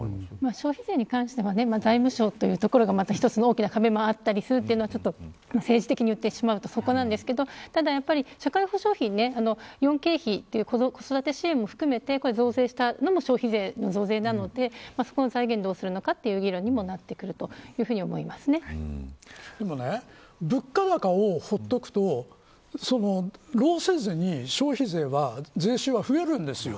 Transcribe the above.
消費税に関しては財務省という壁もあったりするというのは政治的に言ってしまうとそこなんですが社会保障費、子育て支援も含めて増税したのも消費税増税なんでそこの財源をどうするのかということにもなってくる物価高を放っておくと消費税は税収が増えるんですよ。